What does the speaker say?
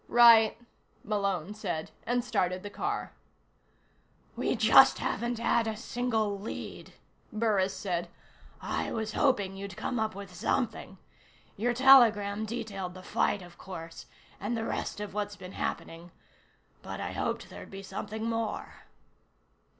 "Right," Malone said, and started the car. "We just haven't had a single lead," Burris said. "I was hoping you'd come up with something. Your telegram detailed the fight, of course, and the rest of what's been happening but I hoped there'd be something more."